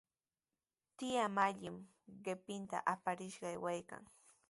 Tiyaa Mallimi qipinta aparishqa aywaykan.